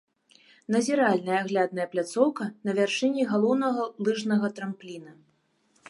Назіральная аглядная пляцоўка на вяршыні галоўнага лыжнага трампліна.